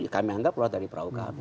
kami anggap keluar dari perahu kami